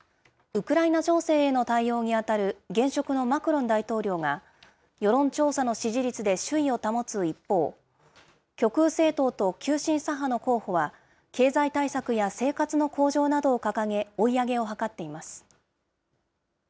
ウクライナ情勢への対応に当たる現職のマクロン大統領が、世論調査の支持率で首位を保つ一方、極右政党と急進左派の候補は、経済対策や生活の向上などを掲げ、追い上げを図っています。